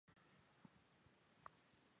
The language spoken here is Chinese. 穆东上沙佩勒的总面积为平方公里。